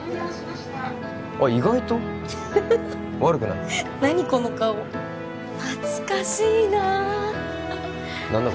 意外とフフフ悪くない何この顔懐かしいな何だ